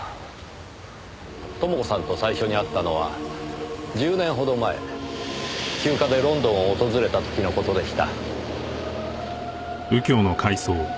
朋子さんと最初に会ったのは１０年ほど前休暇でロンドンを訪れた時の事でした。